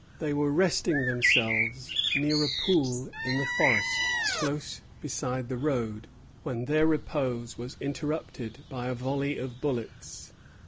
They were resting themselves near a pool in the forest, close beside the road, when their repose was interrupted by a volley of bullets.